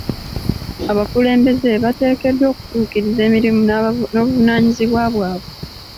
Abakulembeze bateekeddwa okutuukiriza emirimu n'obuvunaanyizibwa bwabwe.